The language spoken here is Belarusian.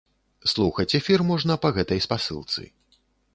Слухаць эфір можна па гэтай спасылцы.